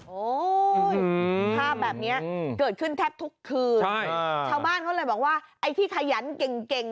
โอ้โหภาพแบบนี้เกิดขึ้นแทบทุกคืนชาวบ้านเขาเลยบอกว่าไอ้ที่ขยันเก่งเก่ง